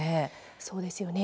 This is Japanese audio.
そうですよね。